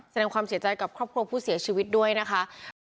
แสดงความเสียใจกับครอบครัวผู้เสียชีวิตด้วยนะคะ